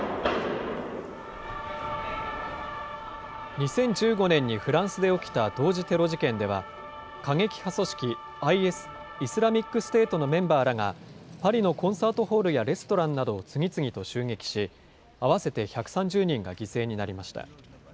２０１５年にフランスで起きた同時テロ事件では、過激派組織ＩＳ・イスラミックステートのメンバーらが、パリのコンサートホールやレストランなどを次々と襲撃し、合わせて１３０人が犠牲になりました。